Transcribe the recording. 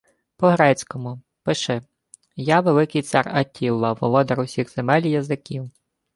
— По-грецькому. Пиши: «Я, великий цар Аттіла, володар усіх земель і язиків...»